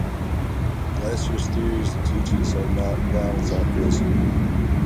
Glasser's theories and teachings have not gone without criticism.